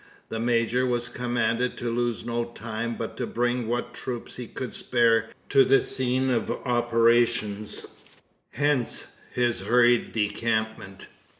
The major was commanded to lose no time, but bring what troops he could spare to the scene of operations. Hence his hurried decampment.